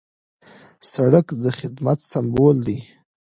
سړک د خدمت سمبول دی.